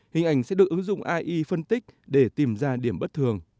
hình ảnh sẽ được ứng dụng ai phân tích để tìm ra điểm bất thường